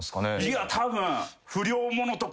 いやたぶん。